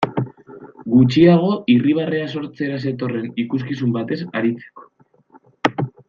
Gutxiago irribarrea sortzera zetorren ikuskizun batez aritzeko.